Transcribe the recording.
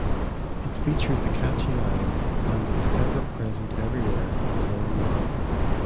It featured the catchy line, and it's ever present everywhere, Warm Love.